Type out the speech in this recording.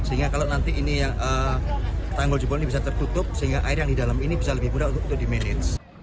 sehingga kalau nanti ini tanggul jebol ini bisa tertutup sehingga air yang di dalam ini bisa lebih mudah untuk di manage